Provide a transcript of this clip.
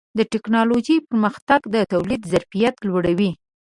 د ټکنالوجۍ پرمختګ د تولید ظرفیت لوړوي.